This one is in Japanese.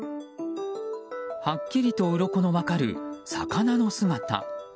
はっきりとうろこの分かる魚の姿。